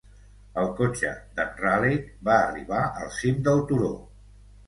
El cotxe d"en Raleigh va arribar al cim del turó.